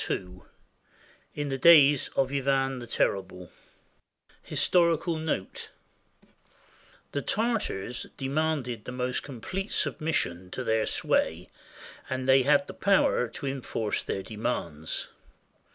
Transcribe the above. II IN THE DAYS OF IVAN THE TERRIBLE HISTORICAL NOTE The Tartars demanded the most complete submission to their sway, and they had the power to enforce their demands.